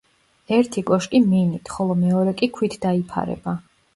ერთი კოშკი მინით, ხოლო მეორე კი ქვით დაიფარება.